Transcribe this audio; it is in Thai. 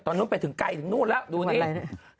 นู้นไปถึงไกลถึงนู่นแล้วดูนี่